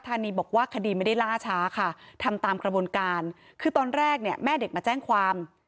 ีบอกว่าคดีไม่ได้ล่าช้าค่ะทำตามกระบวนการคือตอนแรกเนี่ยแม่เด็กมาแจ้งความ